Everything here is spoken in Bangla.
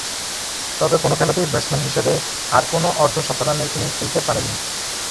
তবে, কোন খেলাতেই ব্যাটসম্যান হিসেবে আর কোন অর্ধ-শতরানের ইনিংস খেলতে পারেননি।